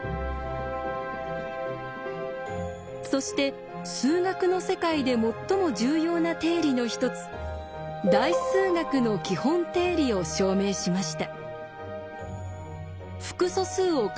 そして数学の世界で最も重要な定理の一つ「代数学の基本定理」を証明しました。